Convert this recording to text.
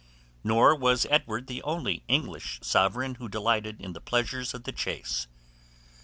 NOR WAS EDWARD the only English sovereign who delighted in the pleasures of the chase.